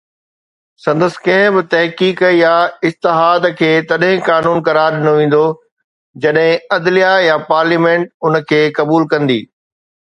سندس ڪنهن به تحقيق يا اجتهاد کي تڏهن قانون قرار ڏنو ويندو جڏهن عدليه يا پارليامينٽ ان کي قبول ڪندي